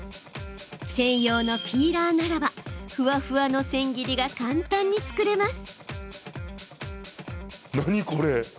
専用のピーラーならばふわふわのせん切りが簡単に作れます。